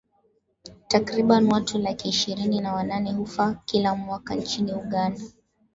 Takriban watu laki ishirini na wanane hufa kila mwaka nchini Uganda.